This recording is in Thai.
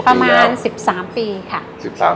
ประมาณ๑๓ปีค่ะ